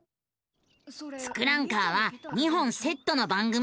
「ツクランカー」は２本セットの番組。